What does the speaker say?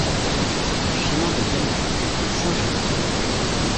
CHEMIN DE GAGNAC, Saint-Jory